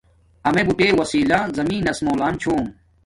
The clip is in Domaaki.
اما بوٹے وساݵلہ زمین نس موں لام چھوم